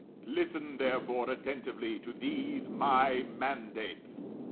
Listen, therefore, attentively to these my mandates.